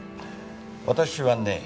私はね